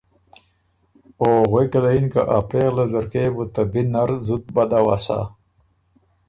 او غوېکه له یِن که ا پېغله ځرګۀ يې بُو ته بی نر زُت بد اؤسا